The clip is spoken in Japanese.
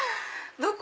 どこ？